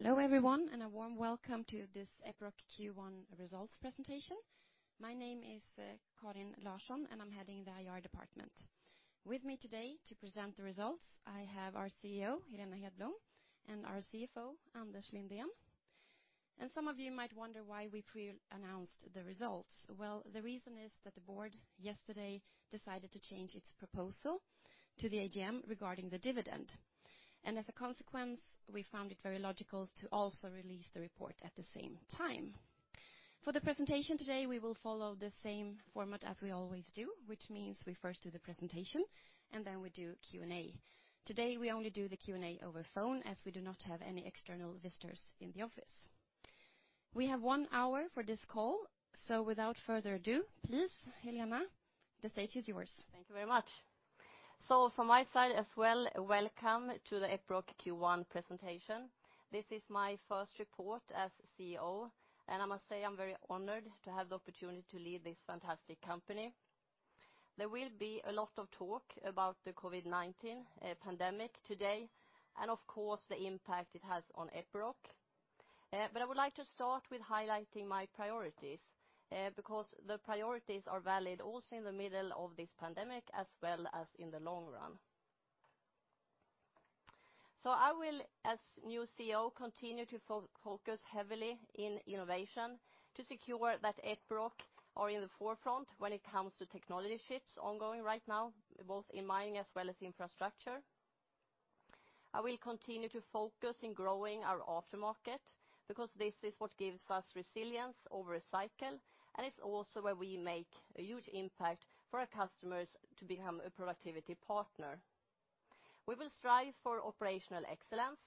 Hello everyone, a warm welcome to this Epiroc Q1 results presentation. My name is Karin Larsson, and I'm heading the IR department. With me today to present the results, I have our CEO, Helena Hedblom, and our CFO, Anders Lindén. Some of you might wonder why we pre-announced the results. Well, the reason is that the board, yesterday, decided to change its proposal to the AGM regarding the dividend. As a consequence, we found it very logical to also release the report at the same time. For the presentation today, we will follow the same format as we always do, which means we first do the presentation and then we do Q&A. Today, we only do the Q&A over phone as we do not have any external visitors in the office. We have one hour for this call so without further ado, please, Helena, the stage is yours. Thank you very much. From my side as well, welcome to the Epiroc Q1 presentation. This is my first report as CEO, and I must say I am very honored to have the opportunity to lead this fantastic company. There will be a lot of talk about the COVID-19 pandemic today, and of course, the impact it has on Epiroc. I would like to start with highlighting my priorities, because the priorities are valid also in the middle of this pandemic as well as in the long run. I will, as new CEO, continue to focus heavily in innovation to secure that Epiroc are in the forefront when it comes to technology shifts ongoing right now, both in mining as well as infrastructure. I will continue to focus in growing our aftermarket, because this is what gives us resilience over a cycle, and it's also where we make a huge impact for our customers to become a productivity partner. We will strive for operational excellence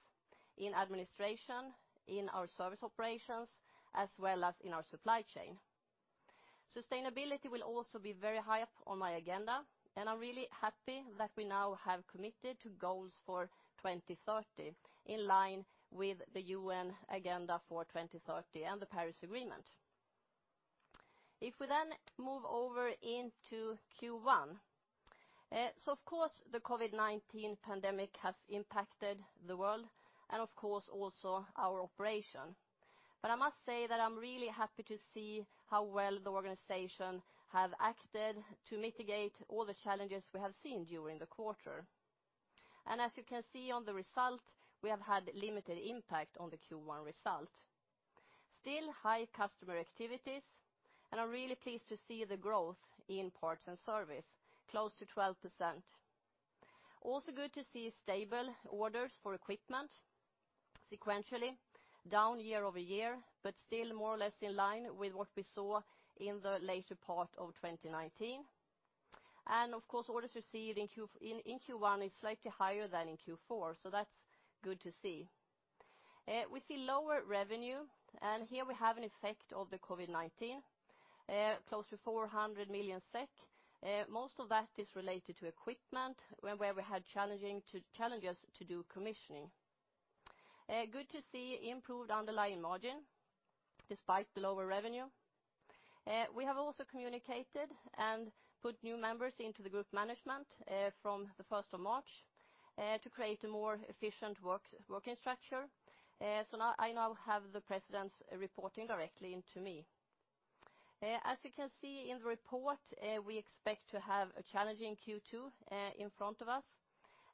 in administration, in our service operations, as well as in our supply chain. Sustainability will also be very high up on my agenda, and I'm really happy that we now have committed to goals for 2030, in line with the UN agenda for 2030 and the Paris Agreement. If we then move over into Q1. Of course, the COVID-19 pandemic has impacted the world and of course also our operation. I must say that I'm really happy to see how well the organization have acted to mitigate all the challenges we have seen during the quarter. As you can see on the result, we have had limited impact on the Q1 result. Still high customer activities. I'm really pleased to see the growth in parts and service, close to 12%. Also good to see stable orders for equipment sequentially, down year-over-year, but still more or less in line with what we saw in the later part of 2019. Of course, orders received in Q1 is slightly higher than in Q4. That's good to see. We see lower revenue. Here we have an effect of the COVID-19, close to 400 million SEK. Most of that is related to equipment, where we had challenges to do commissioning. Good to see improved underlying margin despite the lower revenue. We have also communicated and put new members into the group management from the 1st of March to create a more efficient working structure. I now have the presidents reporting directly into me. As you can see in the report, we expect to have a challenging Q2 in front of us,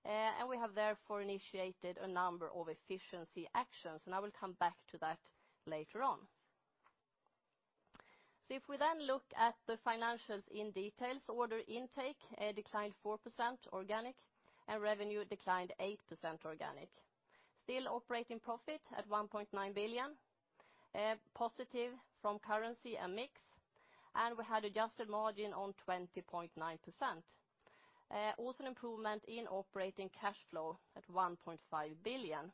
and we have therefore initiated a number of efficiency actions, and I will come back to that later on. If we then look at the financials in details, order intake declined 4% organic, and revenue declined 8% organic. Still operating profit at 1.9 billion, positive from currency and mix, and we had adjusted margin on 20.9%. Also an improvement in operating cash flow at 1.5 billion.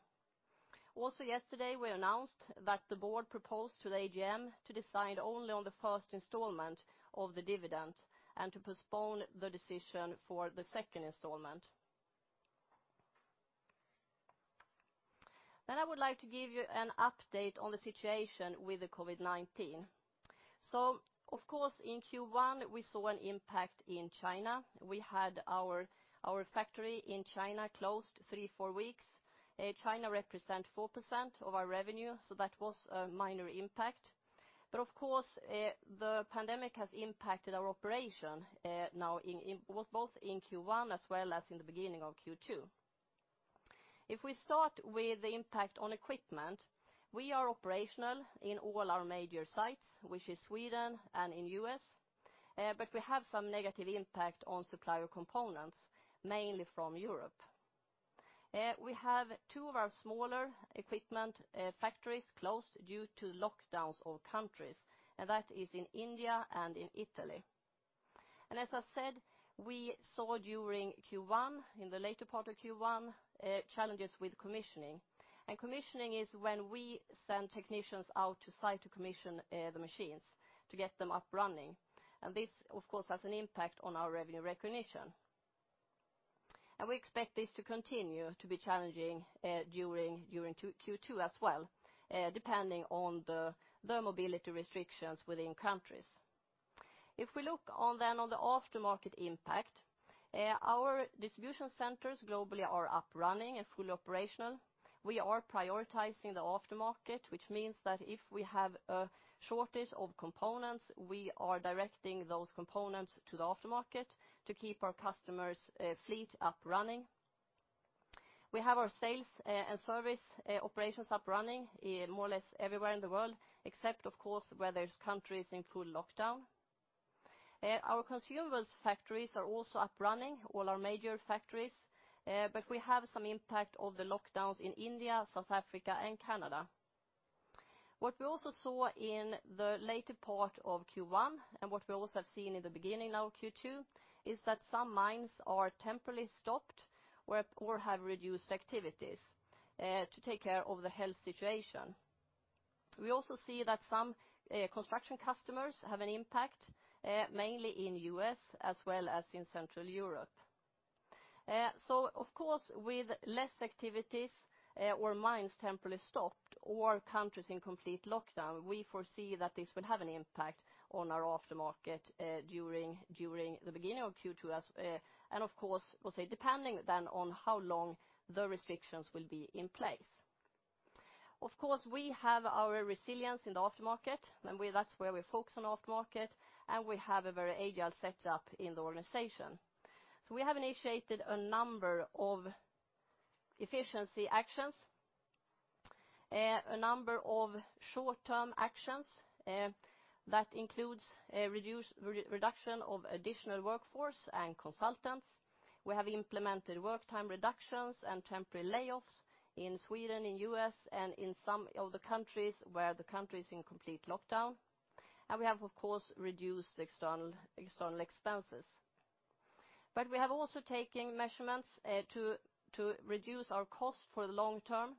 Also yesterday, we announced that the board proposed to the AGM to decide only on the first installment of the dividend and to postpone the decision for the second installment. I would like to give you an update on the situation with the COVID-19. Of course, in Q1, we saw an impact in China. We had our factory in China closed three, four weeks. China represent 4% of our revenue, so that was a minor impact. Of course, the pandemic has impacted our operation now both in Q1 as well as in the beginning of Q2. If we start with the impact on equipment, we are operational in all our major sites, which is Sweden and in U.S., but we have some negative impact on supplier components, mainly from Europe. We have two of our smaller equipment factories closed due to lockdowns of countries, and that is in India and in Italy. As I said, we saw during Q1, in the later part of Q1, challenges with commissioning. Commissioning is when we send technicians out to site to commission the machines to get them up running. This, of course, has an impact on our revenue recognition. We expect this to continue to be challenging during Q2 as well, depending on the mobility restrictions within countries. If we look on the aftermarket impact, our distribution centers globally are up running and fully operational. We are prioritizing the aftermarket, which means that if we have a shortage of components, we are directing those components to the aftermarket to keep our customers' fleet up running. We have our sales and service operations up running more or less everywhere in the world, except, of course, where there's countries in full lockdown. Our consumables factories are also up running, all our major factories. We have some impact of the lockdowns in India, South Africa, and Canada. What we also saw in the later part of Q1, and what we also have seen in the beginning now of Q2, is that some mines are temporarily stopped or have reduced activities to take care of the health situation. We also see that some construction customers have an impact, mainly in U.S. as well as in Central Europe. Of course, with less activities or mines temporarily stopped or countries in complete lockdown, we foresee that this will have an impact on our aftermarket during the beginning of Q2 and of course, depending then on how long the restrictions will be in place. Of course, we have our resilience in the aftermarket, and that's where we focus on aftermarket, and we have a very agile setup in the organization. We have initiated a number of efficiency actions, a number of short-term actions that includes reduction of additional workforce and consultants. We have implemented work time reductions and temporary layoffs in Sweden, in U.S., and in some of the countries where the country's in complete lockdown. We have, of course, reduced external expenses. We have also taken measures to reduce our cost for the long term.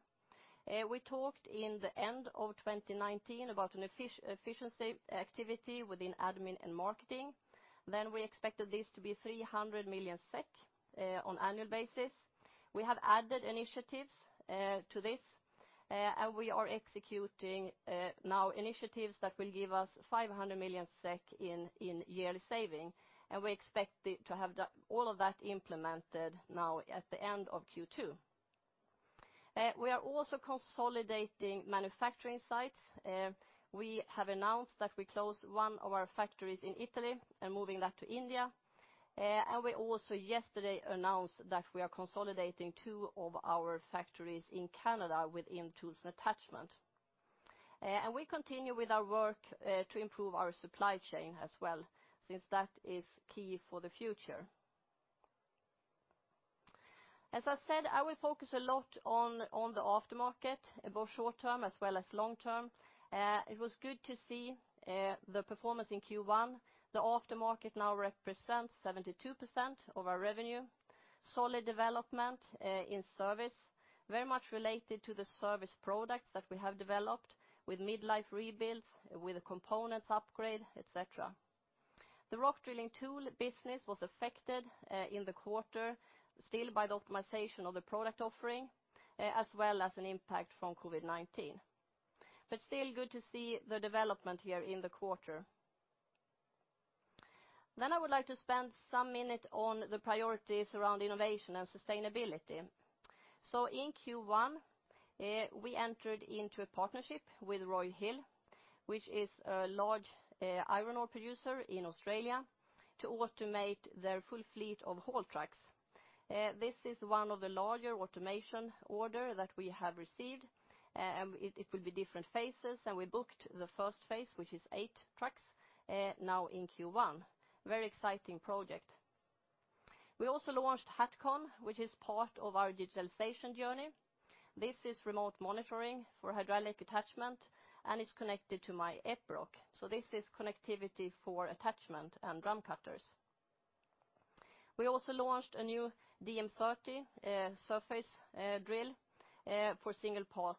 We talked in the end of 2019 about an efficiency activity within admin and marketing. We expected this to be 300 million SEK on annual basis. We have added initiatives to this, and we are executing now initiatives that will give us 500 million SEK in yearly saving, and we expect to have all of that implemented now at the end of Q2. We are also consolidating manufacturing sites. We have announced that we close one of our factories in Italy and moving that to India, we also yesterday announced that we are consolidating two of our factories in Canada within Tools & Attachments. We continue with our work to improve our supply chain as well since that is key for the future. As I said, I will focus a lot on the aftermarket, both short term as well as long term. It was good to see the performance in Q1. The aftermarket now represents 72% of our revenue. Solid development in service, very much related to the service products that we have developed with mid-life rebuilds, with a components upgrade, et cetera. The rock drilling tool business was affected in the quarter still by the optimization of the product offering as well as an impact from COVID-19. Still good to see the development here in the quarter. I would like to spend some minute on the priorities around innovation and sustainability. In Q1, we entered into a partnership with Roy Hill, which is a large iron ore producer in Australia, to automate their full fleet of haul trucks. This is one of the larger automation order that we have received, and it will be different phases, and we booked the first phase, which is eight trucks, now in Q1. Very exciting project. We also launched HATCON, which is part of our digitalization journey. This is remote monitoring for hydraulic attachment, and it's connected to MyEpiroc. This is connectivity for attachment and drum cutters. We also launched a new DM30 surface drill for single pass,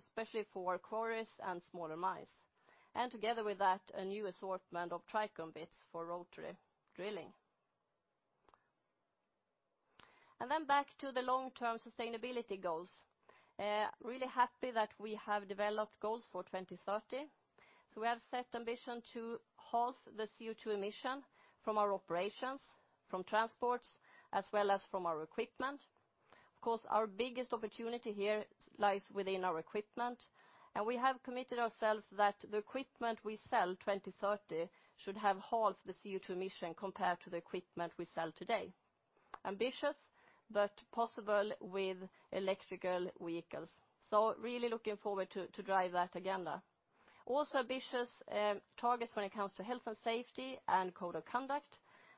especially for quarries and smaller mines. Together with that, a new assortment of Tricone bits for rotary drilling. Back to the long-term sustainability goals. Really happy that we have developed goals for 2030. We have set ambition to halve the CO2 emission from our operations, from transports, as well as from our equipment. Of course, our biggest opportunity here lies within our equipment, and we have committed ourselves that the equipment we sell 2030 should have halved the CO2 emission compared to the equipment we sell today. Ambitious but possible with electrical vehicles. Really looking forward to drive that agenda. Also ambitious targets when it comes to health and safety and code of conduct,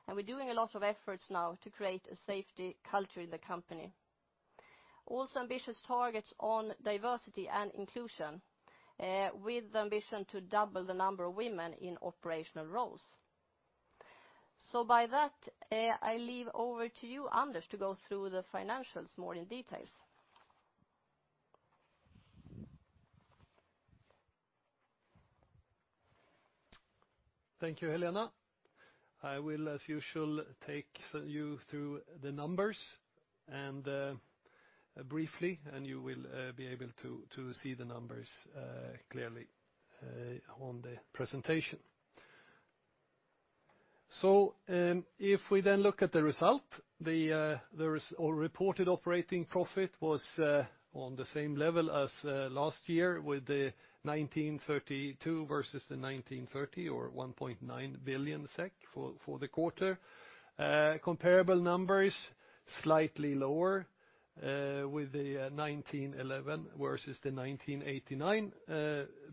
and we're doing a lot of efforts now to create a safety culture in the company. Also ambitious targets on diversity and inclusion, with the ambition to double the number of women in operational roles. By that, I leave over to you, Anders, to go through the financials more in details. Thank you, Helena. I will, as usual, take you through the numbers and briefly, and you will be able to see the numbers clearly on the presentation. If we then look at the result, the reported operating profit was on the same level as last year with the 1,932 versus the 1,930, or 1.9 billion SEK for the quarter. Comparable numbers, slightly lower with the 1,911 versus the 1,989,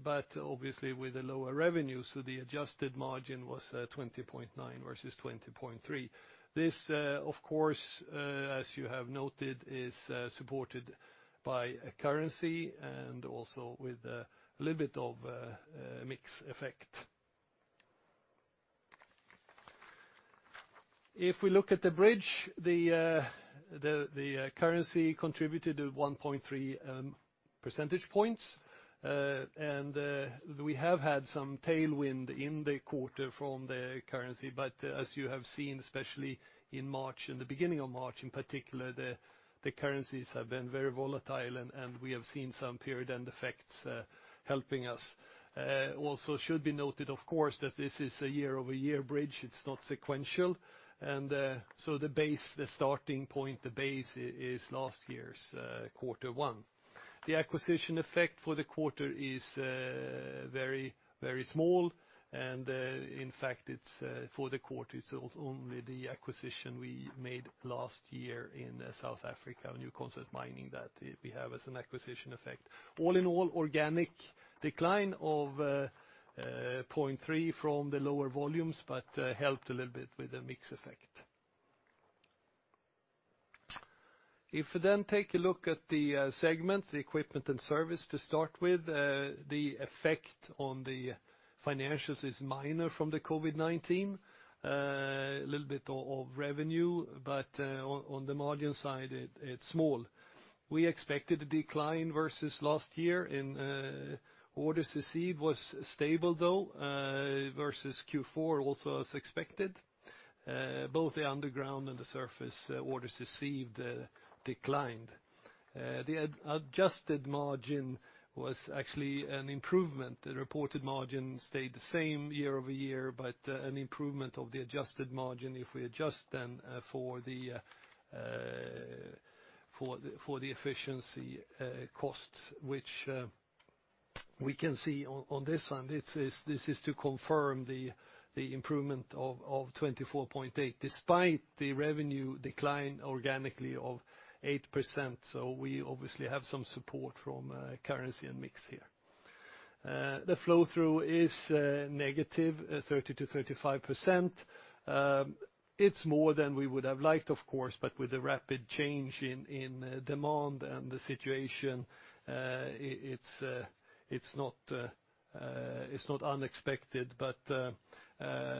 but obviously with the lower revenue. The adjusted margin was 20.9% versus 20.3%. This, of course, as you have noted, is supported by a currency, and also with a little bit of a mix effect. If we look at the bridge, the currency contributed to 1.3 percentage points, and we have had some tailwind in the quarter from the currency. As you have seen, especially in March, in the beginning of March in particular, the currencies have been very volatile, and we have seen some period-end effects helping us. Should be noted, of course, that this is a year-over-year bridge. It's not sequential. The base, the starting point, the base is last year's quarter one. The acquisition effect for the quarter is very small. In fact, for the quarter, it's only the acquisition we made last year in South Africa, Newcrest Mining, that we have as an acquisition effect. All in all, organic decline of 0.3% from the lower volumes, but helped a little bit with a mix effect. If we take a look at the segments, the equipment and service to start with, the effect on the financials is minor from the COVID-19. A little bit of revenue, on the margin side, it's small. We expected a decline versus last year, orders received was stable though, versus Q4 also as expected. Both the underground and the surface orders received declined. The adjusted margin was actually an improvement. The reported margin stayed the same year-over-year, but an improvement of the adjusted margin if we adjust then for the efficiency costs, which we can see on this one. This is to confirm the improvement of 24.8% despite the revenue decline organically of 8%. We obviously have some support from currency and mix here. The flow-through is negative, 30%-35%. It's more than we would have liked, of course, but with the rapid change in demand and the situation, it's not unexpected, but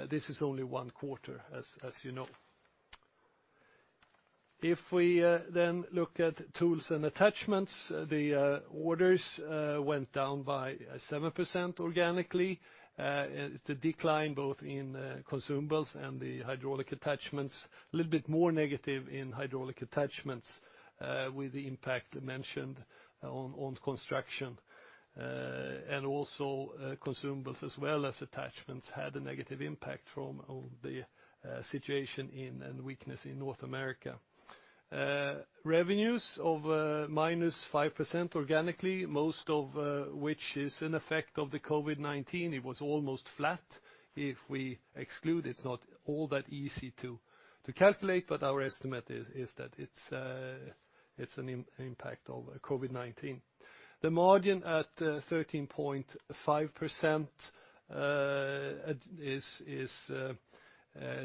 this is only one quarter, as you know. If we look at Tools & Attachments, the orders went down by 7% organically. It's a decline both in consumables and the hydraulic attachments. A little bit more negative in hydraulic attachments with the impact mentioned on construction. Also consumables as well as attachments had a negative impact from the situation in and weakness in North America. Revenues of minus 5% organically, most of which is an effect of the COVID-19. It was almost flat. If we exclude, it's not all that easy to calculate, but our estimate is that it's an impact of COVID-19. The margin at 13.5% is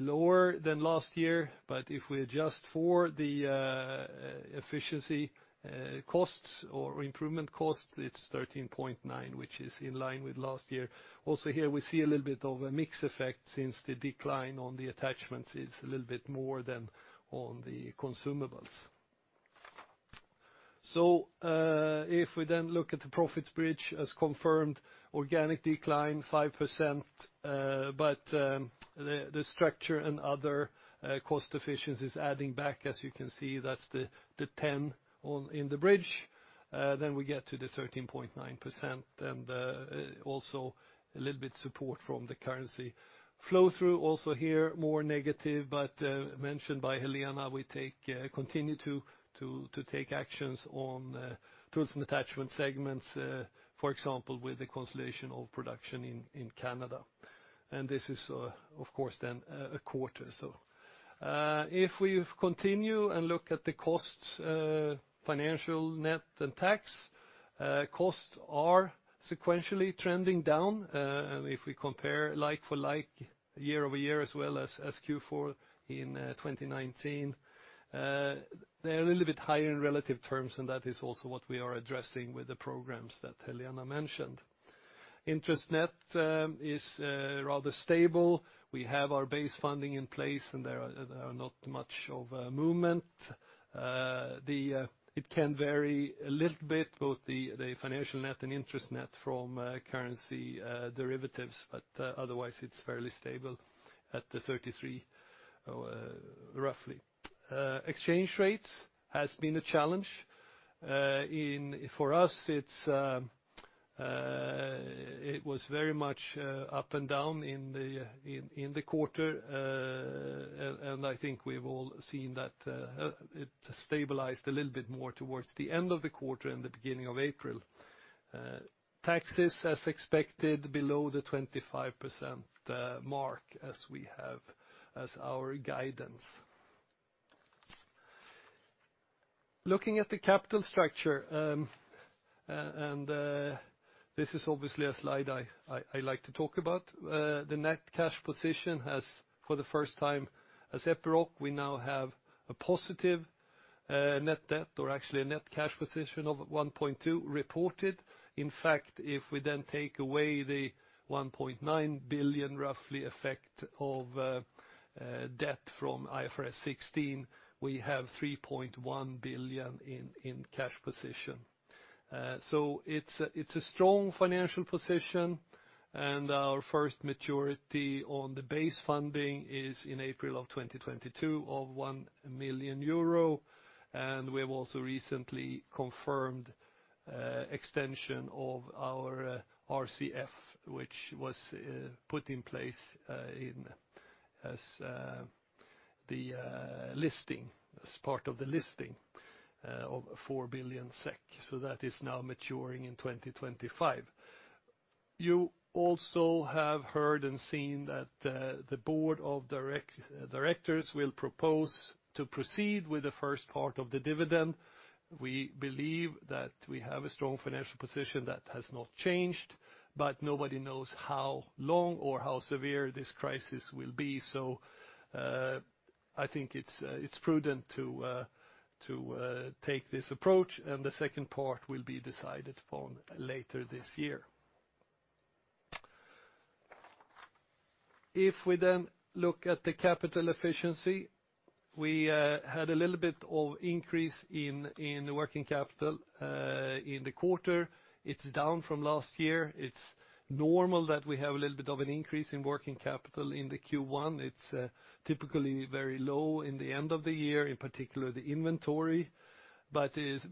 lower than last year. If we adjust for the efficiency costs or improvement costs, it's 13.9%, which is in line with last year. Here we see a little bit of a mix effect since the decline on the attachments is a little bit more than on the consumables. If we then look at the profits bridge as confirmed, organic decline 5%, but the structure and other cost efficiencies adding back, as you can see, that's the 10 in the bridge. We get to the 13.9%, and also a little bit support from the currency. Flow-through also here, more negative, but mentioned by Helena, we continue to take actions on Tools & Attachments segments, for example, with the consolidation of production in Canada. This is, of course, then a quarter or so. We continue and look at the costs, financial net and tax, costs are sequentially trending down. If we compare like for like, year-over-year as well as Q4 in 2019, they're a little bit higher in relative terms, and that is also what we are addressing with the programs that Helena mentioned. Interest net is rather stable. We have our base funding in place, and there are not much of a movement. It can vary a little bit, both the financial net and interest net from currency derivatives, but otherwise it's fairly stable at the 33 roughly. Exchange rates has been a challenge. For us it was very much up and down in the quarter, and I think we've all seen that it stabilized a little bit more towards the end of the quarter and the beginning of April. Taxes, as expected, below the 25% mark as we have as our guidance. Looking at the capital structure, this is obviously a slide I like to talk about. The net cash position has, for the first time as Epiroc, we now have a positive net debt or actually a net cash position of 1.2 reported. In fact, if we then take away the 1.9 billion roughly effect of debt from IFRS 16, we have 3.1 billion in cash position. It's a strong financial position, and our first maturity on the base funding is in April of 2022 of 1 million euro. We have also recently confirmed extension of our RCF, which was put in place as part of the listing of 4 billion SEK. That is now maturing in 2025. You also have heard and seen that the board of directors will propose to proceed with the first part of the dividend. We believe that we have a strong financial position that has not changed, but nobody knows how long or how severe this crisis will be. I think it's prudent to take this approach, and the second part will be decided upon later this year. If we then look at the capital efficiency, we had a little bit of increase in working capital, in the quarter. It's down from last year. It's normal that we have a little bit of an increase in working capital in the Q1. It's typically very low in the end of the year, in particular the inventory.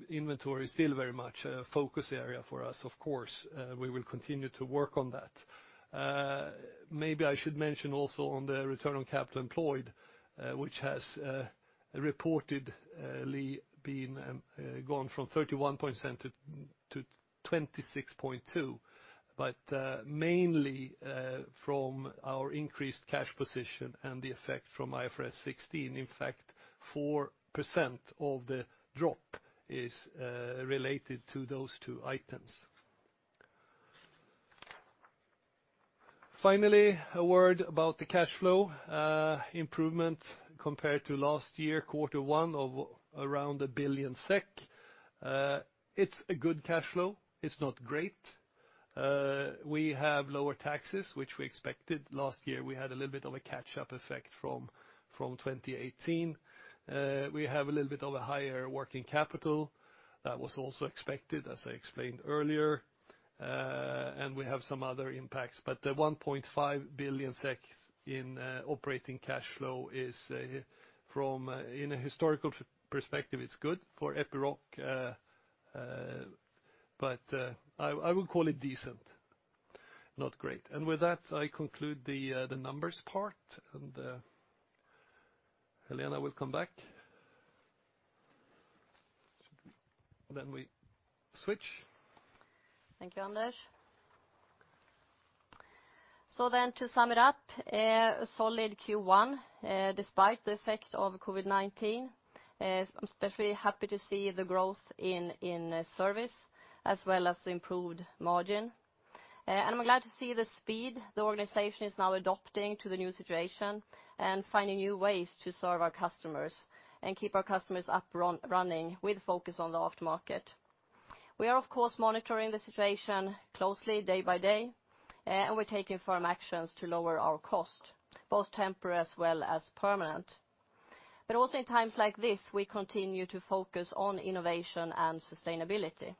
Inventory is still very much a focus area for us, of course. We will continue to work on that. Maybe I should mention also on the return on capital employed, which has reportedly gone from 31% to 26.2%, mainly from our increased cash position and the effect from IFRS 16. In fact, 4% of the drop is related to those two items. Finally, a word about the cash flow improvement compared to last year, quarter one of around 1 billion SEK. It's a good cash flow. It's not great. We have lower taxes, which we expected. Last year, we had a little bit of a catch-up effect from 2018. We have a little bit of a higher working capital. That was also expected, as I explained earlier, we have some other impacts. The 1.5 billion SEK in operating cash flow, in a historical perspective, it's good for Epiroc. I would call it decent, not great. With that, I conclude the numbers part, and Helena will come back. We switch. Thank you, Anders. To sum it up, a solid Q1, despite the effect of COVID-19. I'm especially happy to see the growth in service, as well as the improved margin. I'm glad to see the speed the organization is now adopting to the new situation and finding new ways to serve our customers and keep our customers up and running with focus on the aftermarket. We are, of course, monitoring the situation closely day by day, and we're taking firm actions to lower our cost, both temporary as well as permanent. Also in times like this, we continue to focus on innovation and sustainability.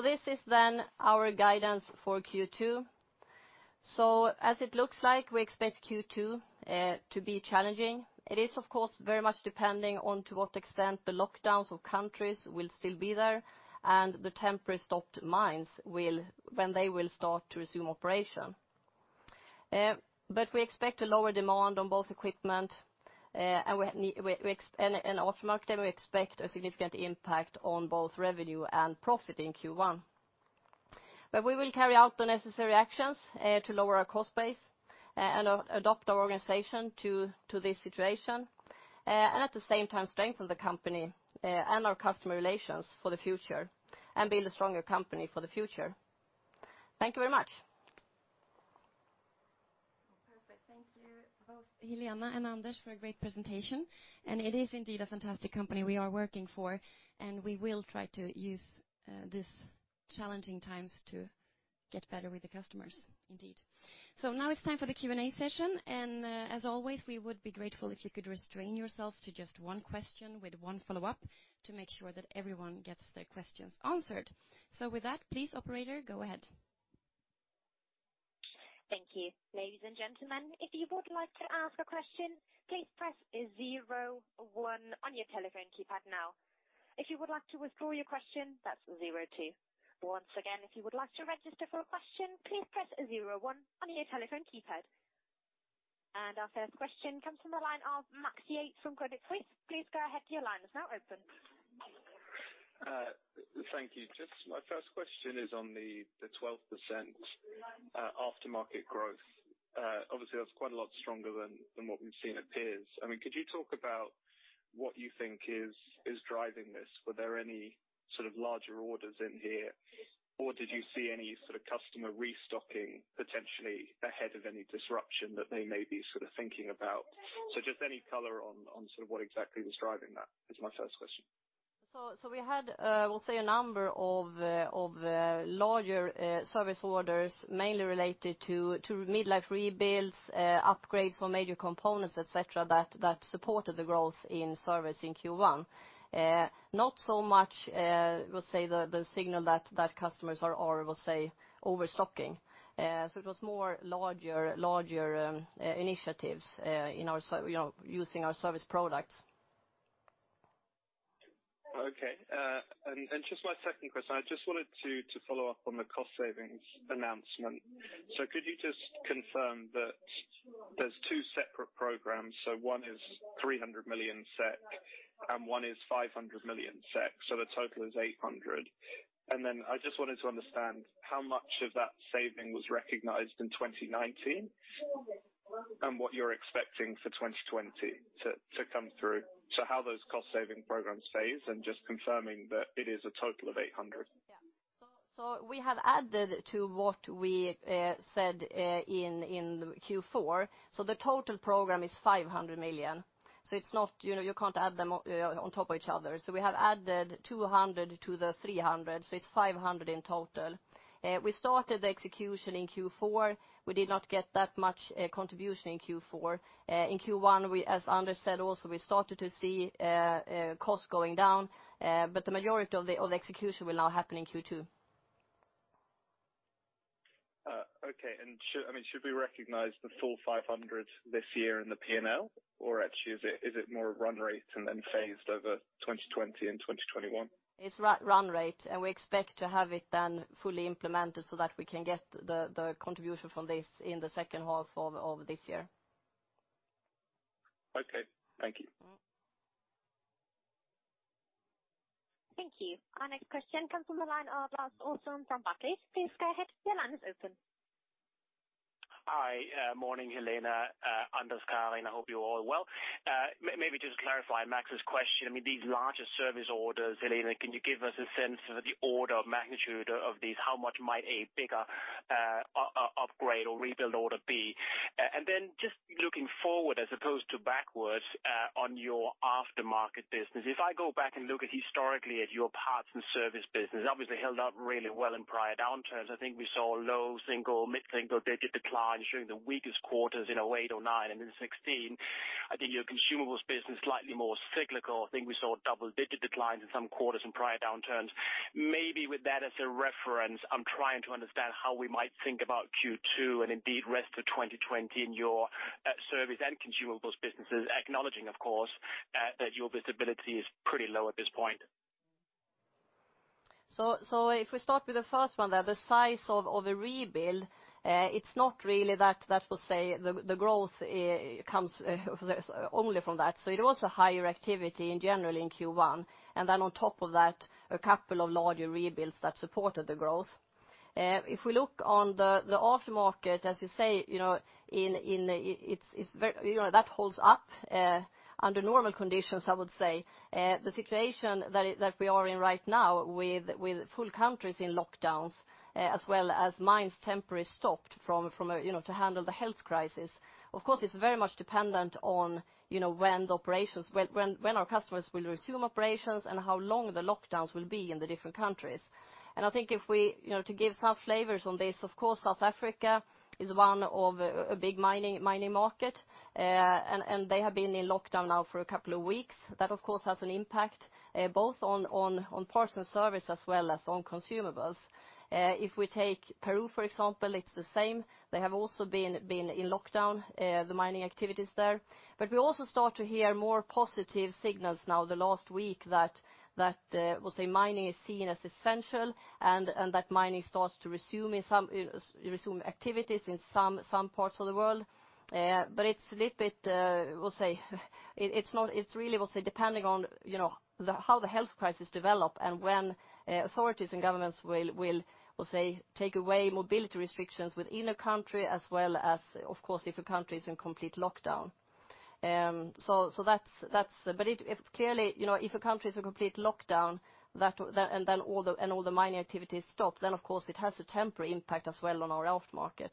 This is then our guidance for Q2. As it looks like, we expect Q2 to be challenging. It is, of course, very much depending on to what extent the lockdowns of countries will still be there and the temporary stopped mines, when they will start to resume operation. We expect a lower demand on both equipment and aftermarket, and we expect a significant impact on both revenue and profit in Q1. We will carry out the necessary actions to lower our cost base and adopt our organization to this situation, and at the same time strengthen the company and our customer relations for the future and build a stronger company for the future. Thank you very much. Perfect. Thank you both Helena and Anders for a great presentation. It is indeed a fantastic company we are working for, and we will try to use these challenging times to get better with the customers indeed. Now it's time for the Q&A session, as always, we would be grateful if you could restrain yourself to just one question with one follow-up to make sure that everyone gets their questions answered. With that, please Operator, go ahead. Thank you. Ladies and gentlemen, if you would like to ask a question, please press zero one on your telephone keypad now. If you would like to withdraw your question, that's zero two. Once again, if you would like to register for a question, please press zero one on your telephone keypad. Our first question comes from the line of Max Yates from Credit Suisse. Please go ahead, your line is now open. Thank you. Just my first question is on the 12% aftermarket growth. Obviously, that's quite a lot stronger than what we've seen at peers. Could you talk about what you think is driving this? Were there any sort of larger orders in here? Or did you see any sort of customer restocking potentially ahead of any disruption that they may be thinking about? Just any color on what exactly was driving that is my first question. We had, we'll say a number of larger service orders, mainly related to mid-life rebuilds, upgrades for major components, et cetera, that supported the growth in service in Q1. Not so much, we'll say the signal that customers are, we'll say, overstocking. It was more larger initiatives using our service products. Okay. Just my second question, I just wanted to follow up on the cost savings announcement. Could you just confirm that there's two separate programs? One is 300 million SEK and one is 500 million SEK, so the total is 800. I just wanted to understand how much of that saving was recognized in 2019 and what you're expecting for 2020 to come through. How those cost-saving programs phase and just confirming that it is a total of 800. We have added to what we said in Q4. The total program is 500 million. You can't add them on top of each other. We have added 200 to the 300, so it's 500 in total. We started the execution in Q4. We did not get that much contribution in Q4. In Q1, as Anders said also, we started to see costs going down. The majority of the execution will now happen in Q2. Okay. Should we recognize the full 500 this year in the P&L or actually is it more run rate and then phased over 2020 and 2021? It's run rate, and we expect to have it then fully implemented so that we can get the contribution from this in the second half of this year. Okay. Thank you. Thank you. Our next question comes from the line of Lars Olsen from Barclays. Please go ahead. Your line is open. Hi. Morning Helena, Anders, Karin. I hope you're all well. Maybe just clarify Max's question. These larger service orders, Helena, can you give us a sense of the order of magnitude of these? How much might a bigger upgrade or rebuild order be? Then just looking forward as opposed to backwards, on your aftermarket business. If I go back and look historically at your parts and service business, obviously held up really well in prior downturns. I think we saw low single, mid-single digit decline during the weakest quarters in 2008 or 2009 and then 2016. I think your consumables business slightly more cyclical. I think we saw double-digit declines in some quarters and prior downturns. Maybe with that as a reference, I'm trying to understand how we might think about Q2 and indeed rest of 2020 in your service and consumables businesses, acknowledging, of course, that your visibility is pretty low at this point. If we start with the first one there, the size of the rebuild, it's not really that, we'll say, the growth comes only from that. It was a higher activity in general in Q1, and then on top of that, a couple of larger rebuilds that supported the growth. If we look on the aftermarket, as you say, that holds up under normal conditions, I would say. The situation that we are in right now with full countries in lockdowns, as well as mines temporarily stopped to handle the health crisis, of course, it's very much dependent on when our customers will resume operations and how long the lockdowns will be in the different countries. To give some flavors on this, of course, South Africa is a big mining market, and they have been in lockdown now for a couple of weeks. That, of course, has an impact, both on parts and service as well as on consumables. If we take Peru, for example, it's the same. They have also been in lockdown, the mining activities there. We also start to hear more positive signals now the last week that, we'll say mining is seen as essential and that mining starts to resume activities in some parts of the world. It's really depending on how the health crisis develop and when authorities and governments will, we'll say, take away mobility restrictions within a country as well as, of course, if a country is in complete lockdown. Clearly, if a country is in complete lockdown and all the mining activities stop, of course it has a temporary impact as well on our aftermarket.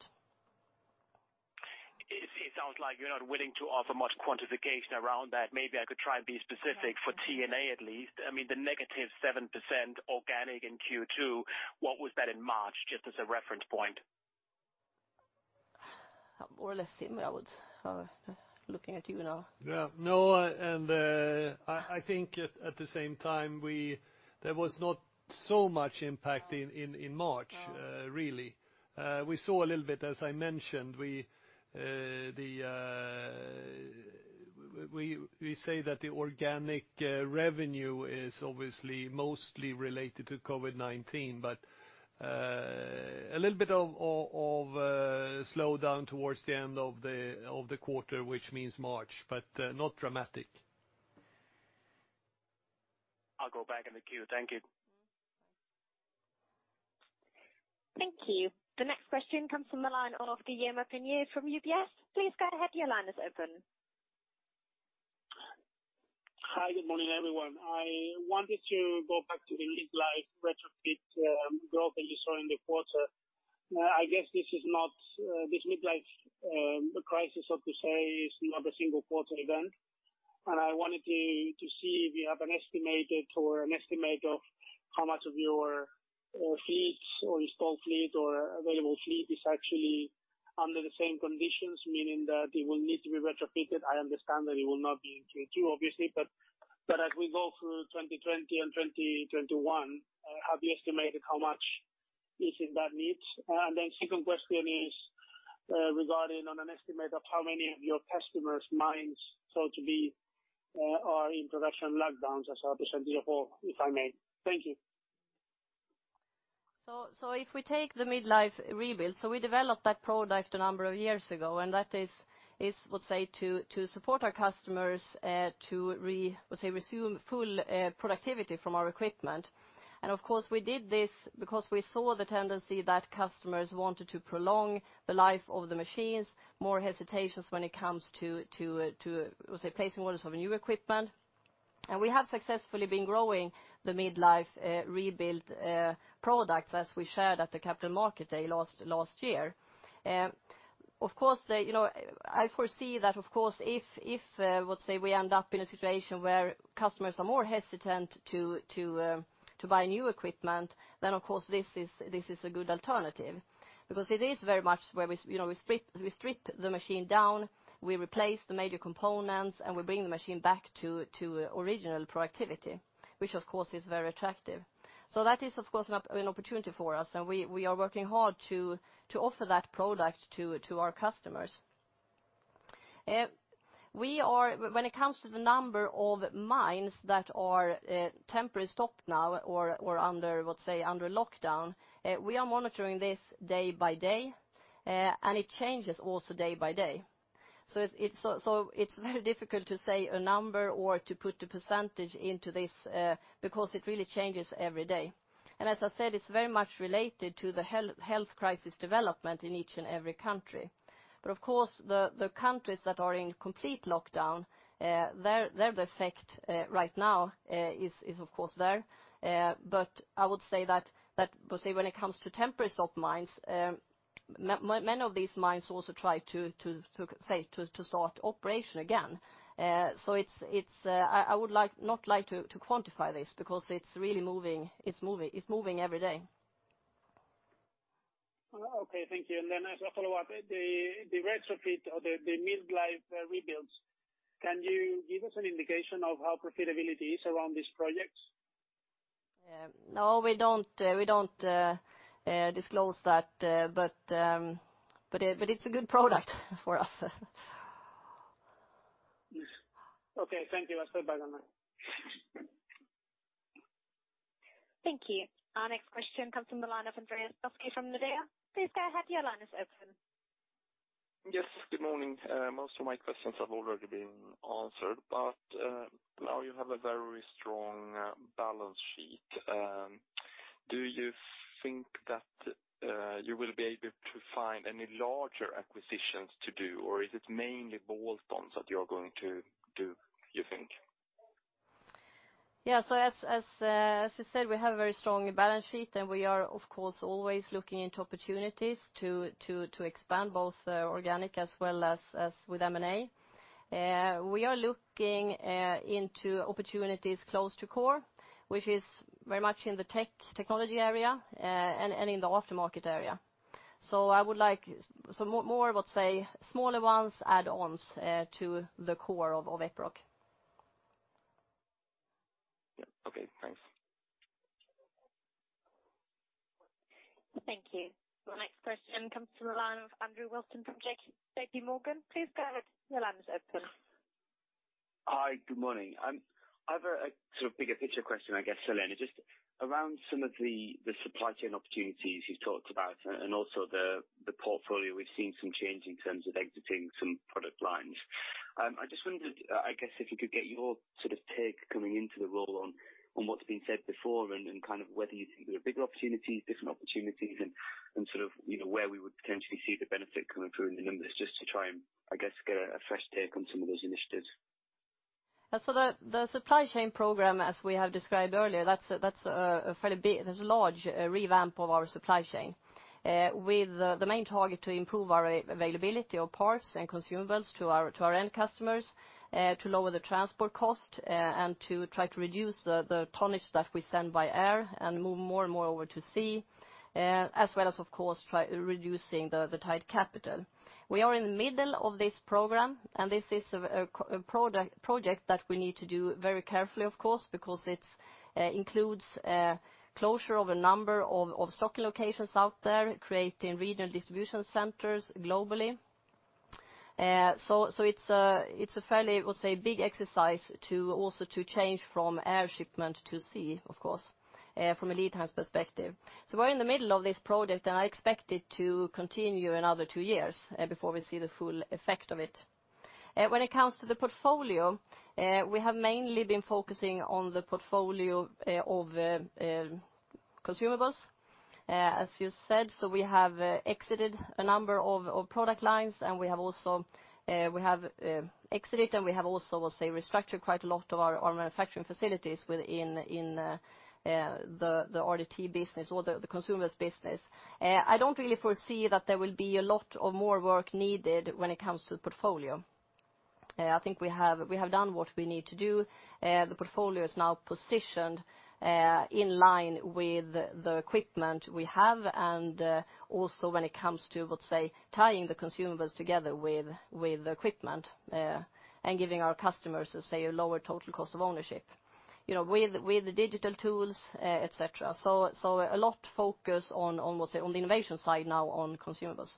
It sounds like you're not willing to offer much quantification around that. Maybe I could try and be specific for TNA at least. The negative 7% organic in Q2, what was that in March? Just as a reference point. More or less, Sim, I would. Looking at you now. Yeah. No, and I think at the same time, there was not so much impact in March, really. We saw a little bit, as I mentioned. We say that the organic revenue is obviously mostly related to COVID-19, but a little bit of slowdown towards the end of the quarter, which means March, but not dramatic. I'll go back in the queue. Thank you. Thank you. The next question comes from the line of Guillaume Delmas from UBS. Please go ahead, your line is open. Hi, good morning, everyone. I wanted to go back to the mid-life retrofit growth that you saw in the quarter. I guess this mid-life crisis, so to say, is not a single quarter event. I wanted to see if you have an estimate of how much of your fleets or installed fleet or available fleet is actually under the same conditions, meaning that they will need to be retrofitted. I understand that it will not be Q2, obviously, but as we go through 2020 and 2021, have you estimated how much is in that niche? Second question is, regarding an estimate of how many of your customers' mines, so to speak, are in production lockdowns, as are the rest of the whole, if I may. Thank you. If we take the mid-life rebuild, we developed that product a number of years ago, and that is, let's say, to support our customers to resume full productivity from our equipment. Of course, we did this because we saw the tendency that customers wanted to prolong the life of the machines, more hesitations when it comes to placing orders of new equipment. We have successfully been growing the mid-life rebuild product, as we shared at the Capital Markets Day last year. I foresee that, of course, if we end up in a situation where customers are more hesitant to buy new equipment, then of course this is a good alternative. It is very much where we strip the machine down, we replace the major components, and we bring the machine back to original productivity, which of course is very attractive. That is, of course, an opportunity for us, and we are working hard to offer that product to our customers. When it comes to the number of mines that are temporarily stopped now or under lockdown, we are monitoring this day by day, and it changes also day by day. It's very difficult to say a number or to put a percentage into this, because it really changes every day. As I said, it's very much related to the health crisis development in each and every country. Of course, the countries that are in complete lockdown, their effect right now is, of course, there. I would say that when it comes to temporary stop mines, many of these mines also try to start operation again. I would not like to quantify this because it's really moving every day. Okay, thank you. As a follow-up, the retrofit or the mid-life rebuilds, can you give us an indication of how profitability is around these projects? No, we don't disclose that, but it's a good product for us. Okay, thank you. I'll step back then, ma'am. Thank you. Our next question comes from the line of Andreas Koski from Nordea. Please go ahead, your line is open. Yes, good morning. Most of my questions have already been answered. Now you have a very strong balance sheet. Do you think that you will be able to find any larger acquisitions to do? Is it mainly bolt-ons that you're going to do, you think? Yeah, as I said, we have a very strong balance sheet, and we are of course always looking into opportunities to expand both organic as well as with M&A. We are looking into opportunities close to core, which is very much in the technology area and in the aftermarket area. More, let's say, smaller ones, add-ons to the core of Epiroc. Yeah. Okay, thanks. Thank you. The next question comes from the line of Andrew Wilson from J.P. Morgan. Please go ahead, your line is open. Hi, good morning. I have a sort of bigger picture question, I guess, Helena. Just around some of the supply chain opportunities you talked about and also the portfolio, we've seen some change in terms of exiting some product lines. I just wondered, I guess, if you could get your take coming into the role on what's been said before and kind of whether you think there are bigger opportunities, different opportunities, and where we would potentially see the benefit coming through in the numbers just to try and, I guess, get a fresh take on some of those initiatives. The supply chain program, as we have described earlier, that's a fairly large revamp of our supply chain. With the main target to improve our availability of parts and consumables to our end customers, to lower the transport cost, and to try to reduce the tonnage that we send by air and move more and more over to sea, as well as, of course, reducing the tied capital. We are in the middle of this program, and this is a project that we need to do very carefully, of course, because it includes closure of a number of stocking locations out there, creating regional distribution centers globally. It's a fairly big exercise to also change from air shipment to sea, of course, from a lead times perspective. We're in the middle of this project, and I expect it to continue another two years before we see the full effect of it. When it comes to the portfolio, we have mainly been focusing on the portfolio of consumables, as you said. We have exited a number of product lines, and we have exited and we have also restructured quite a lot of our manufacturing facilities within the RDT business or the consumables business. I don't really foresee that there will be a lot of more work needed when it comes to the portfolio. I think we have done what we need to do. The portfolio is now positioned in line with the equipment we have, and also when it comes to tying the consumables together with equipment, and giving our customers a lower total cost of ownership with the digital tools, etc. A lot focus on the innovation side now on consumables.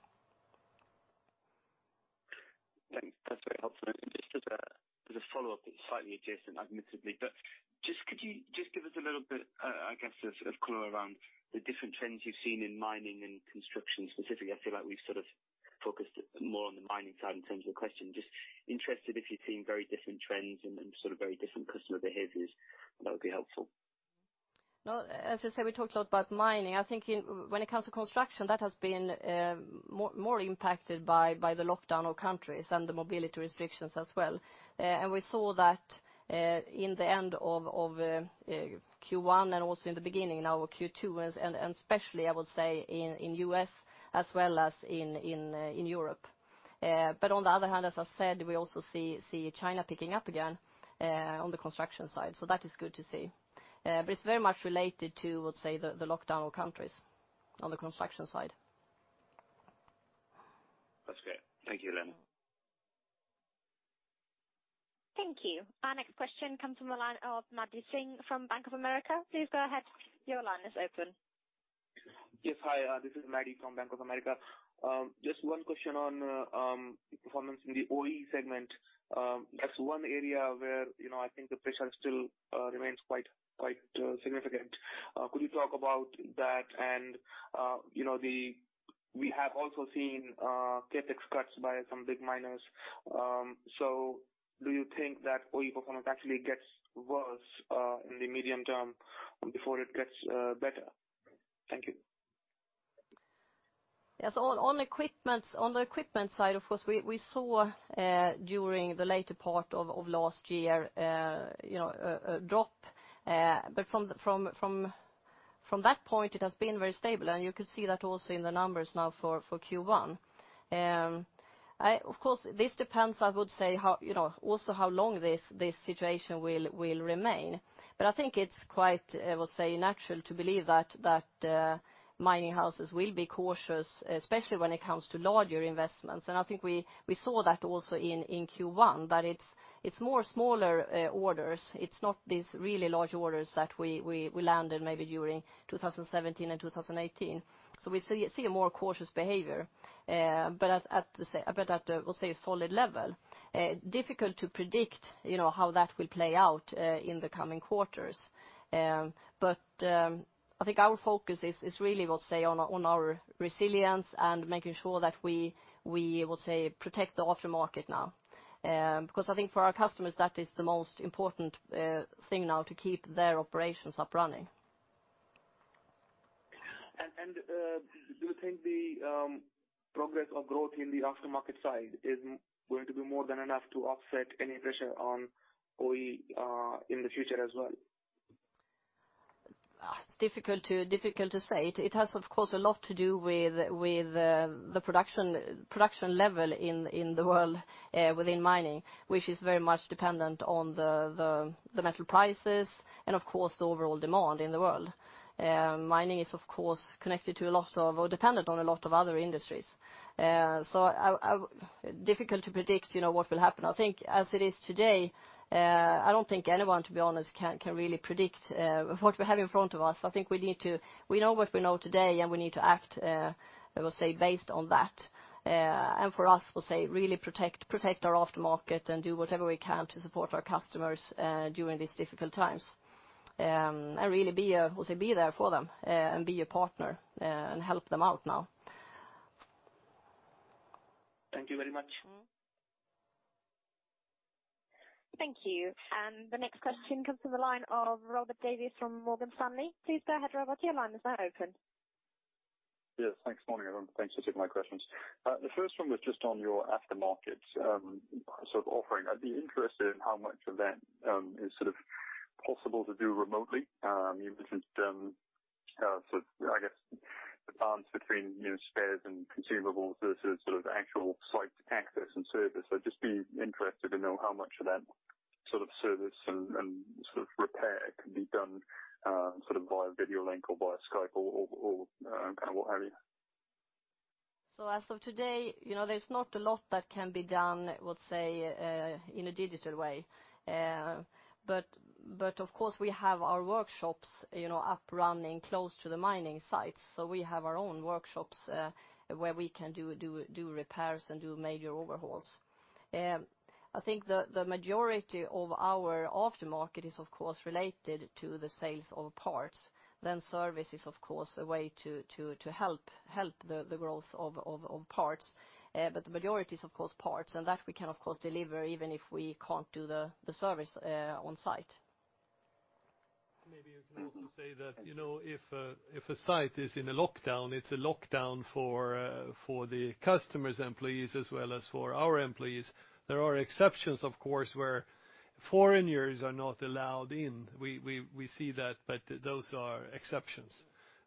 Thanks. That's very helpful. Just as a follow-up that's slightly adjacent, admittedly, but just could you just give us a little bit of color around the different trends you've seen in mining and construction specifically? I feel like we've sort of focused more on the mining side in terms of the question. Just interested if you're seeing very different trends and very different customer behaviors. That would be helpful. No, as I said, we talked a lot about mining. I think when it comes to construction, that has been more impacted by the lockdown of countries and the mobility restrictions as well. We saw that in the end of Q1 and also in the beginning now of Q2, and especially, I would say, in U.S. as well as in Europe. On the other hand, as I said, we also see China picking up again on the construction side. That is good to see. It's very much related to the lockdown of countries on the construction side. That's great. Thank you then. Thank you. Our next question comes from the line of Maddy Singh from Bank of America. Please go ahead. Your line is open. Yes. Hi, this is Maddy from Bank of America. Just one question on the performance in the OE segment. That's one area where I think the pressure still remains quite significant. Could you talk about that? We have also seen CapEx cuts by some big miners. Do you think that OE performance actually gets worse in the medium term before it gets better? Thank you. Yes. On the equipment side, of course, we saw, during the later part of last year, a drop, but from that point it has been very stable and you could see that also in the numbers now for Q1. Of course, this depends also how long this situation will remain. I think it's quite natural to believe that mining houses will be cautious, especially when it comes to larger investments. I think we saw that also in Q1, but it's more smaller orders. It's not these really large orders that we landed maybe during 2017 and 2018. We see a more cautious behavior, but at a solid level. Difficult to predict how that will play out in the coming quarters. I think our focus is really on our resilience and making sure that we protect the aftermarket now. I think for our customers, that is the most important thing now to keep their operations up running. Do you think the progress of growth in the aftermarket side is going to be more than enough to offset any pressure on OE in the future as well? Difficult to say. It has, of course, a lot to do with the production level in the world within mining, which is very much dependent on the metal prices and of course, the overall demand in the world. Mining is, of course, dependent on a lot of other industries. Difficult to predict what will happen. I think as it is today, I don't think anyone, to be honest, can really predict what we have in front of us. I think we know what we know today, and we need to act based on that. For us, really protect our aftermarket and do whatever we can to support our customers during these difficult times. Really be there for them, and be a partner and help them out now. Thank you very much. Thank you. The next question comes from the line of Robert Davies from Morgan Stanley. Please go ahead, Robert. Your line is now open. Yes, thanks. Morning, everyone. Thanks for taking my questions. The first one was just on your aftermarket offering. I'd be interested in how much of that is possible to do remotely. In between, I guess the balance between spares and consumables versus actual site access and service. I'd just be interested to know how much of that sort of service and repair can be done via video link or via Skype or what have you? As of today, there's not a lot that can be done, we'll say, in a digital way. Of course, we have our workshops up running close to the mining sites. We have our own workshops, where we can do repairs and do major overhauls. I think the majority of our aftermarket is, of course, related to the sales of parts. Service is, of course, a way to help the growth of parts. The majority is, of course, parts, and that we can deliver even if we can't do the service on site. Maybe you can also say that if a site is in a lockdown, it's a lockdown for the customer's employees as well as for our employees. There are exceptions, of course, where foreigners are not allowed in. We see that, but those are exceptions.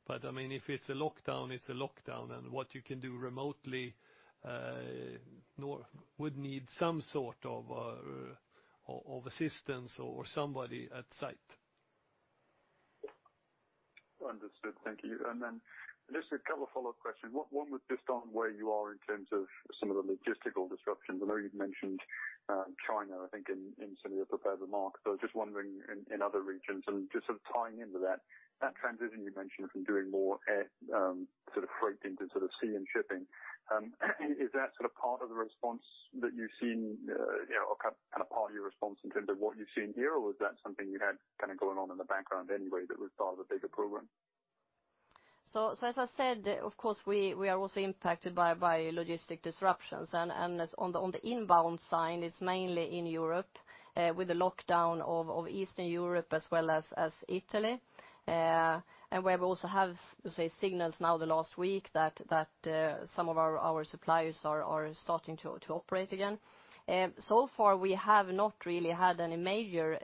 If it's a lockdown, it's a lockdown, and what you can do remotely would need some sort of assistance or somebody at site. Understood. Thank you. Just a couple follow-up questions. One was just on where you are in terms of some of the logistical disruptions. I know you've mentioned China, I think in some of your prepared remarks. Just wondering in other regions and just tying into that transition you mentioned from doing more air freight into sea and shipping. Is that part of the response that you've seen or part of your response in terms of what you've seen here? Or was that something you had going on in the background anyway that was part of a bigger program? As I said, of course, we are also impacted by logistic disruptions. On the inbound side, it's mainly in Europe, with the lockdown of Eastern Europe as well as Italy, and where we also have signals now the last week that some of our suppliers are starting to operate again. So far, we have not really had any major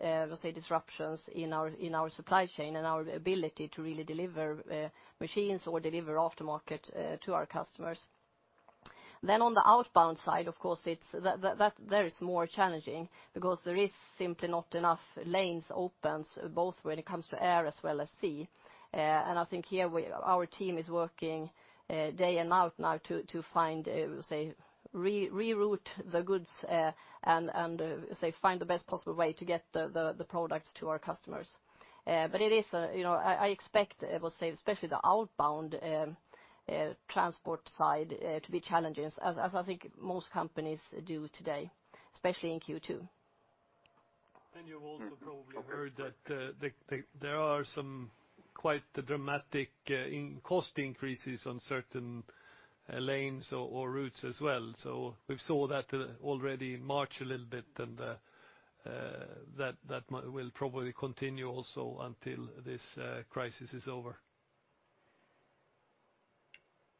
disruptions in our supply chain and our ability to really deliver machines or deliver aftermarket to our customers. On the outbound side, of course, there is more challenging because there is simply not enough lanes open, both when it comes to air as well as sea. I think here our team is working day and night now to find, we'll say, re-route the goods and, say, find the best possible way to get the products to our customers. I expect, we'll say, especially the outbound transport side to be challenging as I think most companies do today, especially in Q2. You've also probably heard that there are some quite dramatic cost increases on certain lanes or routes as well. We saw that already in March a little bit, and that will probably continue also until this crisis is over.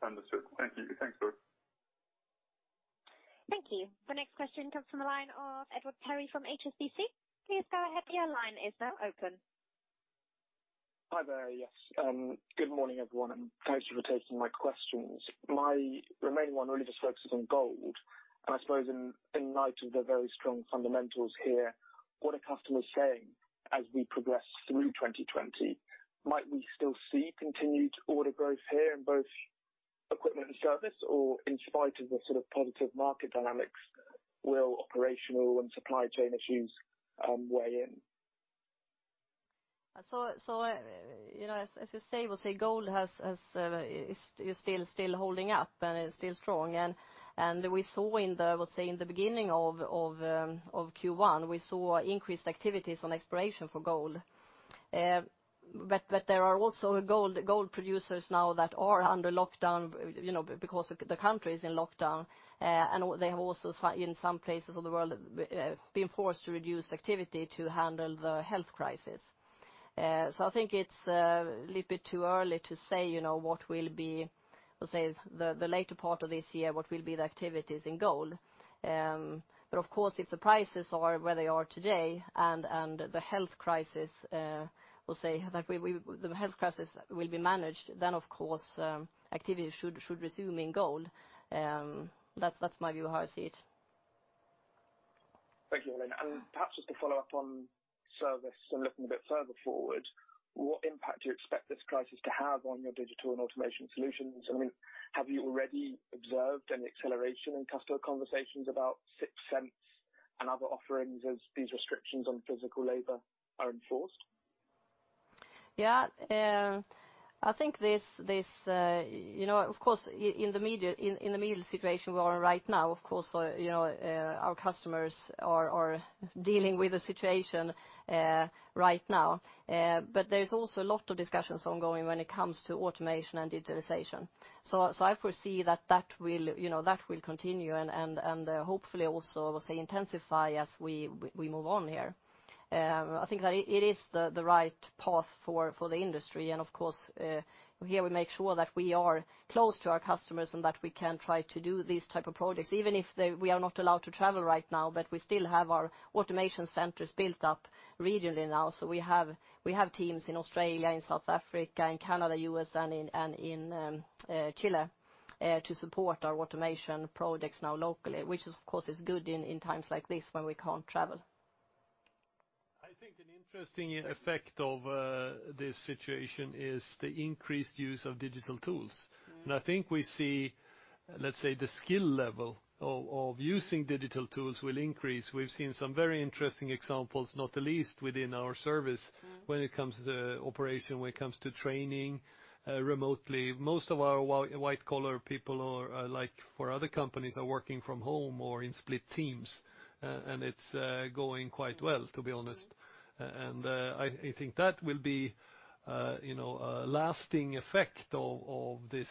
Understood. Thank you. Thank you. The next question comes from the line of Edward Hussey from HSBC. Please go ahead, your line is now open. Hi there. Yes. Good morning, everyone. Thank you for taking my questions. My remaining one really just focuses on gold. I suppose in light of the very strong fundamentals here, what are customers saying as we progress through 2020? Might we still see continued order growth here in both equipment and service? In spite of the sort of positive market dynamics, will operational and supply chain issues weigh in? As you say, we'll say gold is still holding up and is still strong. We saw in the, I would say, in the beginning of Q1, we saw increased activities on exploration for gold. There are also gold producers now that are under lockdown, because the country is in lockdown. They have also, in some places of the world, been forced to reduce activity to handle the health crisis. I think it's a little bit too early to say what will be, let's say, the later part of this year, what will be the activities in gold. Of course, if the prices are where they are today and the health crisis will be managed, then of course, activity should resume in gold. That's my view, how I see it. Thank you, Helen. Perhaps just to follow up on service and looking a bit further forward, what impact do you expect this crisis to have on your digital and automation solutions? Have you already observed any acceleration in customer conversations about 6th Sense and other offerings as these restrictions on physical labor are enforced? Yeah. Of course, in the middle situation we are in right now, of course, our customers are dealing with the situation right now. There's also a lot of discussions ongoing when it comes to automation and digitalization. I foresee that will continue and hopefully also, we'll say, intensify as we move on here. I think that it is the right path for the industry. Of course, here we make sure that we are close to our customers and that we can try to do these type of projects, even if we are not allowed to travel right now. We still have our automation centers built up regionally now. We have teams in Australia, in South Africa, in Canada, U.S., and in Chile to support our automation projects now locally, which of course is good in times like this when we can't travel. Interesting effect of this situation is the increased use of digital tools. I think we see, let's say, the skill level of using digital tools will increase. We've seen some very interesting examples, not the least within our service when it comes to the operation, when it comes to training remotely. Most of our white-collar people are, like for other companies, are working from home or in split teams, and it's going quite well, to be honest. I think that will be a lasting effect of this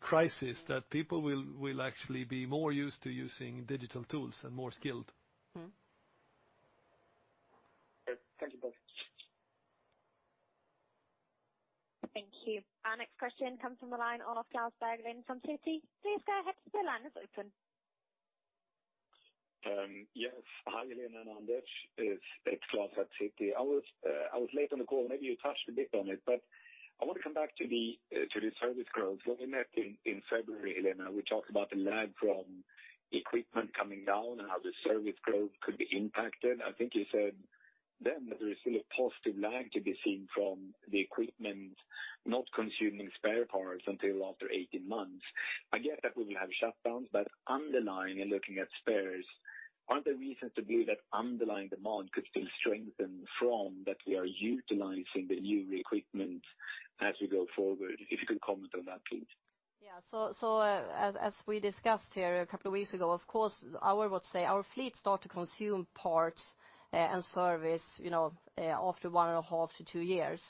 crisis, that people will actually be more used to using digital tools and more skilled. Thank you both. Thank you. Our next question comes from the line of Klas Bergelind from Citi. Please go ahead. Your line is open. Yes. Hi, Helena. Anders, it's Klas at Citi. I was late on the call. Maybe you touched a bit on it, but I want to come back to the service growth. When we met in February, Helena, we talked about the lag from equipment coming down and how the service growth could be impacted. I think you said then that there is still a positive lag to be seen from the equipment not consuming spare parts until after 18 months. I get that we will have shutdowns, but underlying and looking at spares, are there reasons to believe that underlying demand could still strengthen from that we are utilizing the new equipment as we go forward? If you can comment on that, please. As we discussed here a couple of weeks ago, of course, I would say our fleet start to consume parts and service after one and a half to two years.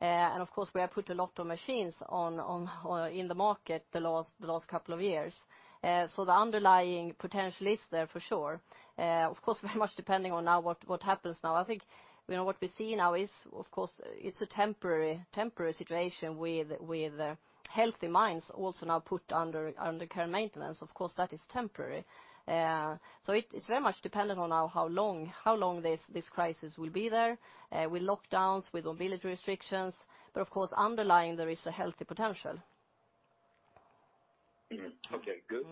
Of course, we have put a lot of machines in the market the last couple of years. The underlying potential is there for sure. Of course, very much depending on what happens now. I think what we see now is, of course, it's a temporary situation with healthy mines also now put under care maintenance. Of course, that is temporary. It's very much dependent on now how long this crisis will be there, with lockdowns, with mobility restrictions, but of course underlying there is a healthy potential. Okay, good.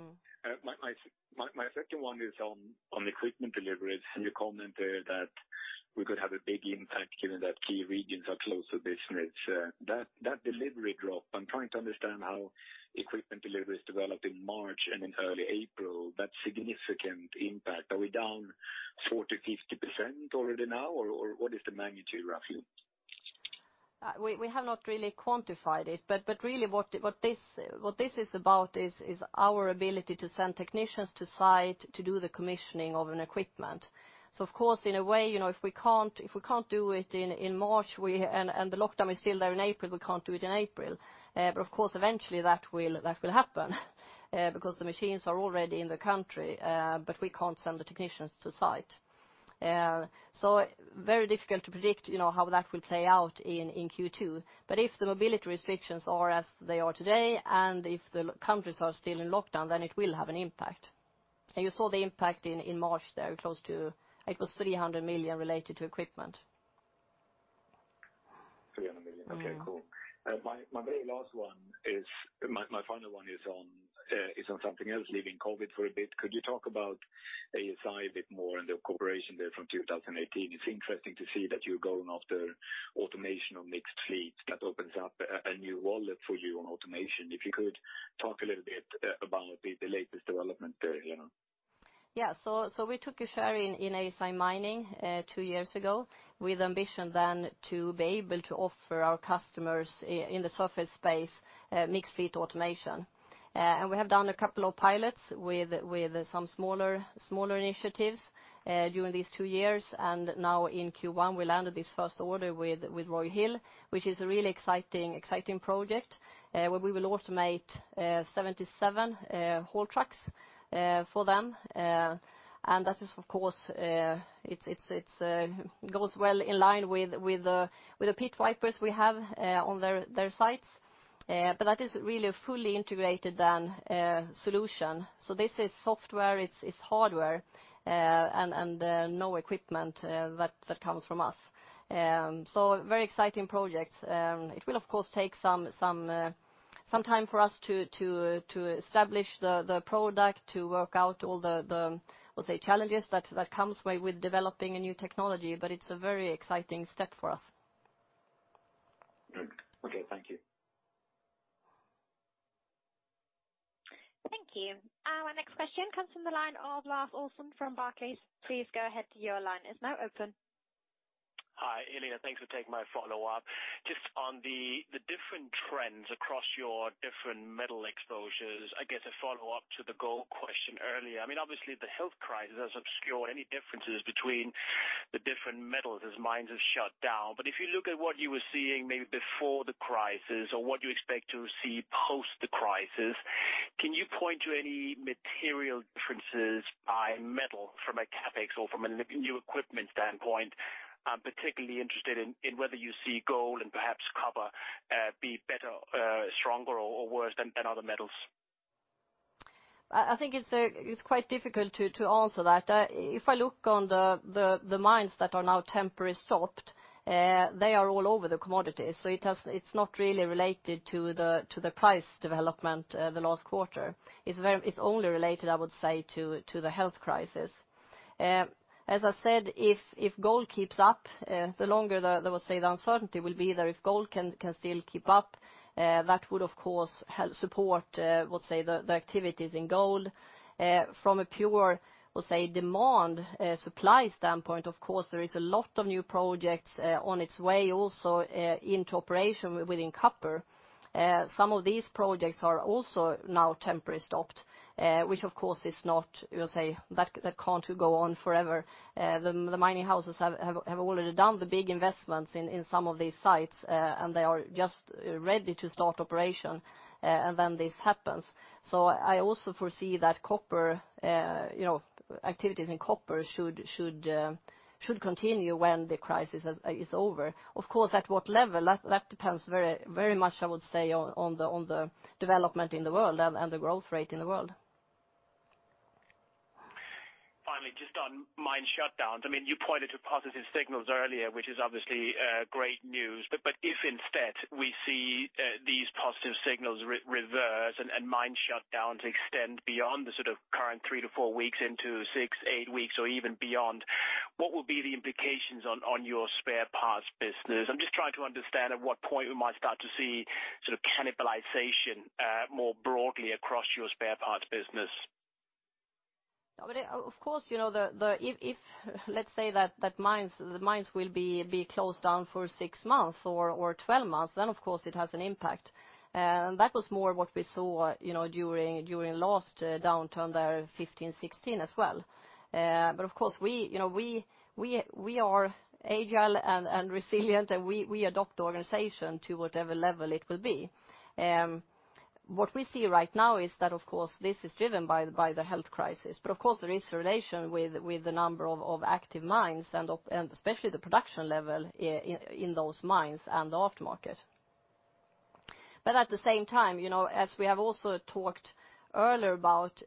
My second one is on equipment deliveries. You commented that we could have a big impact given that key regions are closed for business. That delivery drop, I'm trying to understand how equipment deliveries developed in March and in early April, that significant impact. Are we down 40%, 50% already now, or what is the magnitude roughly? We have not really quantified it. Really what this is about is our ability to send technicians to site to do the commissioning of an equipment. Of course, in a way, if we can't do it in March, and the lockdown is still there in April, we can't do it in April. Of course, eventually that will happen because the machines are already in the country, but we can't send the technicians to site. Very difficult to predict how that will play out in Q2. If the mobility restrictions are as they are today, and if the countries are still in lockdown, then it will have an impact. You saw the impact in March there, it was 300 million related to equipment. 300 million. Okay, cool. My final one is on something else, leaving COVID-19 for a bit. Could you talk about ASI a bit more and the cooperation there from 2018? It is interesting to see that you are going after automation of mixed fleet. That opens up a new wallet for you on automation. If you could talk a little bit about the latest development there, Helena. We took a share in ASI Mining two years ago with ambition then to be able to offer our customers in the surface space mixed fleet automation. We have done a couple of pilots with some smaller initiatives during these two years. Now in Q1, we landed this first order with Roy Hill, which is a really exciting project where we will automate 77 haul trucks for them. That, of course, goes well in line with the Pit Viper we have on their sites. That is really a fully integrated solution. This is software, it's hardware, and no equipment that comes from us. Very exciting project. It will of course take some time for us to establish the product, to work out all the, I would say, challenges that come with developing a new technology, but it's a very exciting step for us. Good. Okay. Thank you. Thank you. Our next question comes from the line of Lars Olsen from Barclays. Please go ahead. Your line is now open. Hi, Helena. Thanks for taking my follow-up. On the different trends across your different metal exposures, I guess a follow-up to the gold question earlier. Obviously, the health crisis has obscured any differences between the different metals as mines have shut down. If you look at what you were seeing maybe before the crisis or what you expect to see post the crisis, can you point to any material differences by metal from a CapEx or from a new equipment standpoint? I'm particularly interested in whether you see gold and perhaps copper be better, stronger or worse than other metals. I think it's quite difficult to answer that. If I look on the mines that are now temporarily stopped, they are all over the commodities. It's not really related to the price development the last quarter. It's only related, I would say, to the health crisis. As I said, if gold keeps up, the longer the uncertainty will be there. If gold can still keep up, that would of course support the activities in gold. From a pure demand-supply standpoint, of course, there is a lot of new projects on its way also into operation within copper. Some of these projects are also now temporarily stopped, which, of course, that can't go on forever. The mining houses have already done the big investments in some of these sites, and they are just ready to start operation, and then this happens. I also foresee that activities in copper should continue when the crisis is over. Of course, at what level? That depends very much, I would say, on the development in the world and the growth rate in the world. Finally, just on mine shutdowns. You pointed to positive signals earlier, which is obviously great news. If instead we see these positive signals reverse and mine shutdowns extend beyond the current three to four weeks into six, eight weeks or even beyond, what will be the implications on your spare parts business? I'm just trying to understand at what point we might start to see cannibalization more broadly across your spare parts business. Of course, if, let's say that the mines will be closed down for six months or 12 months, then of course it has an impact. That was more what we saw during last downturn there 2015, 2016 as well. Of course, we are agile and resilient, and we adopt organization to whatever level it will be. What we see right now is that, of course, this is driven by the health crisis. Of course, there is a relation with the number of active mines and especially the production level in those mines and the aftermarket. At the same time, as we have also talked earlier about,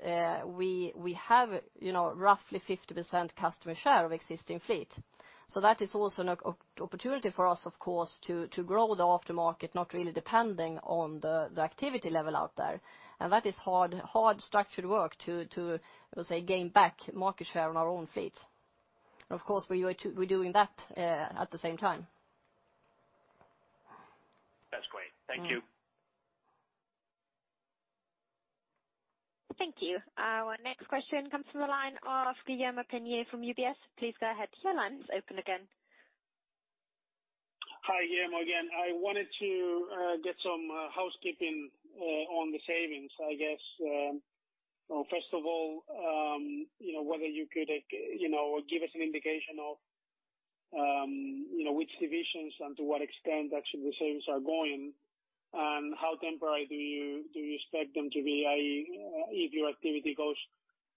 we have roughly 50% customer share of existing fleet. That is also an opportunity for us, of course, to grow the aftermarket, not really depending on the activity level out there. That is hard structured work to gain back market share on our own fleet. Of course, we're doing that at the same time. That's great. Thank you. Thank you. Our next question comes from the line of Guillaume Delmas from UBS. Please go ahead. Your line is open again. Hi, Guillermo again. I wanted to get some housekeeping on the savings, I guess. First of all, whether you could give us an indication of which divisions and to what extent actually the savings are going, and how temporary do you expect them to be, if your activity goes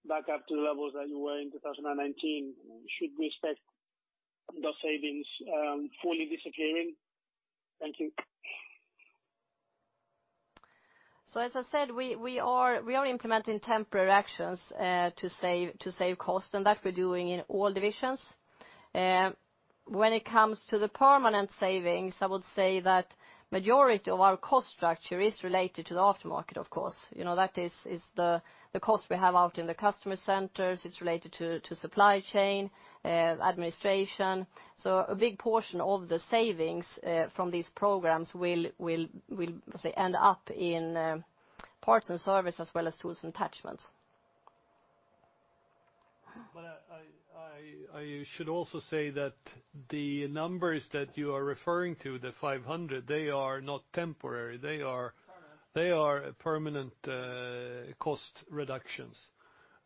back up to the levels that you were in 2019? Should we expect those savings fully disappearing? Thank you. As I said, we're implementing temporary actions to save cost, and that we're doing in all divisions. When it comes to the permanent savings, I would say that majority of our cost structure is related to the aftermarket, of course. That is the cost we have out in the customer centers. It's related to supply chain, administration. A big portion of the savings from these programs will end up in parts and service as well as Tools & Attachments. I should also say that the numbers that you are referring to, the 500, they are not temporary. Permanent They are permanent cost reductions.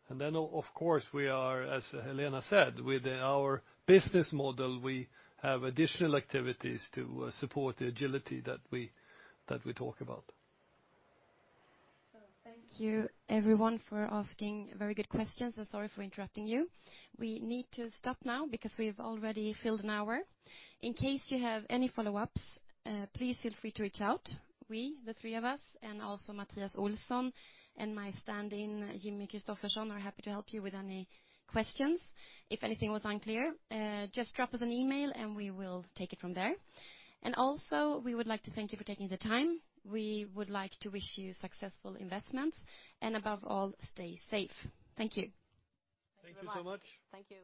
Of course, as Helena said, with our business model, we have additional activities to support the agility that we talk about. Thank you everyone for asking very good questions, and sorry for interrupting you. We need to stop now because we've already filled an hour. In case you have any follow-ups, please feel free to reach out. We, the three of us, and also Mattias Olsson and my stand-in, Jimmy Kristoffersson, are happy to help you with any questions. If anything was unclear, just drop us an email, and we will take it from there. We would like to thank you for taking the time. We would like to wish you successful investments, and above all, stay safe. Thank you. Thank you so much. Thank you.